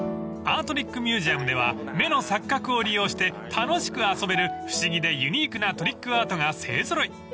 ［アートリックミュージアムでは目の錯覚を利用して楽しく遊べる不思議でユニークなトリックアートが勢揃い］